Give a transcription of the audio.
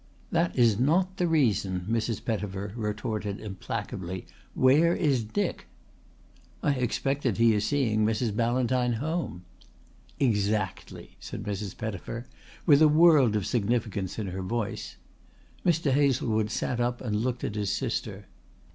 "That is not the reason," Mrs. Pettifer retorted implacably. "Where is Dick?" "I expect that he is seeing Mrs. Ballantyne home." "Exactly," said Mrs. Pettifer with a world of significance in her voice. Mr. Hazlewood sat up and looked at his sister.